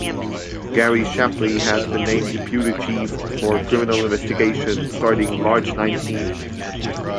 Gary Shapley has been named deputy chief for Criminal Investigation, starting March nineteenth.